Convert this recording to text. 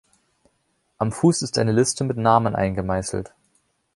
Am Fuß ist eine Liste mit Namen eingemeißelt.